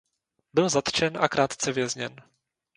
Byl zatčen a krátce vězněn.